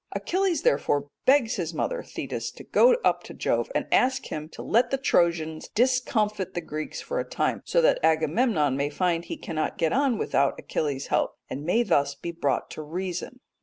Achilles, therefore, begs his mother Thetis to go up to Jove and ask him to let the Trojans discomfit the Greeks for a time, so that Agamemnon may find he cannot get on without Achilles' help, and may thus be brought to reason.